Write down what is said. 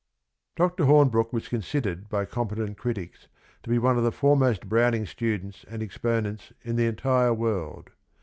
Dr. Hornbrooke was considered by competent critics to be one of the foremost Browning students and exponents in the entire world.